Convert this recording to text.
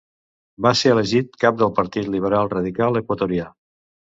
Va ser elegit cap del Partit Liberal Radical Equatorià.